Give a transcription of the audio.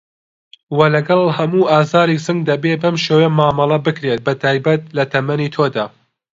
وه لەگەڵ هەموو ئازارێکی سنگ دەبێت بەم شێوەیە مامەڵه بکرێت بەتایبەت لە تەمەنی تۆدا